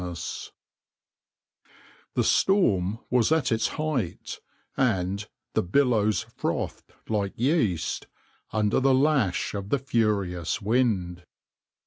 \par \vs {\noindent} The storm was at its height, and "the billows frothed like yeast" under the lash of the furious wind.